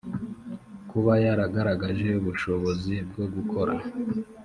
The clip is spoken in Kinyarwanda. kuba yaragaragaje ubushobozi bwo gukora